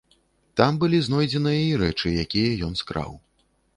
Там былі знойдзеныя і рэчы, якія ён скраў.